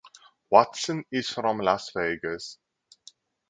Watson is from Las Vegas.